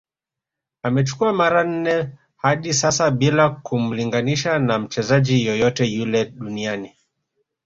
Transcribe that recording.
Amechukua mara nne hadi sasa Bila kumlinganisha na mchezaji yoyote yule duniani